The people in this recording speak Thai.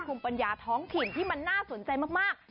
ภูมิปัญญาท้องถิ่นที่มันน่าสนใจมาก